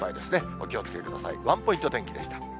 お気をつけください。